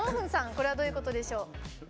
これはどういうことでしょう？